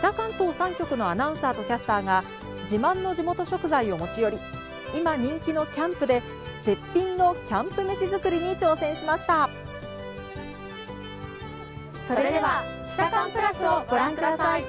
北関東３局のアナウンサーとキャスターが自慢の地元食材を持ち寄り今人気のキャンプで絶品のキャンプ飯作りに挑戦しましたそれでは「キタカン＋」をご覧下さい。